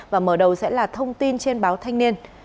và mở đầu sẽ là thông tin trên báo thanh niên